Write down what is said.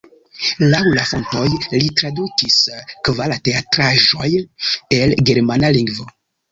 Laŭ la fontoj li tradukis kvar teatraĵojn el germana lingvo.